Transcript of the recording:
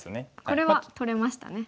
これは取れましたね。